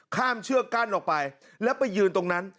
เชือกกั้นออกไปแล้วไปยืนตรงนั้น